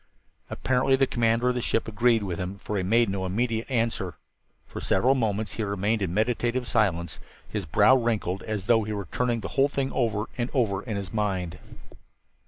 Apparently the commander of the ship agreed with him, for he made no immediate answer. For several moments he remained in meditative silence, his brow wrinkled, as though he was turning the whole thing over and over in his mind.